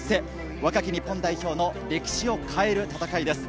若き日本代表の歴史を変える戦いです。